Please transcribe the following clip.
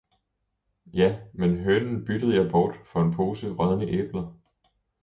Ja, men hønen byttede jeg bort for en pose rådne æbler!